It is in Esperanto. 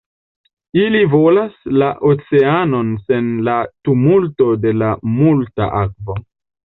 Ili volas la oceanon sen la tumulto de multa akvo.